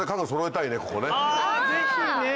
あぜひね！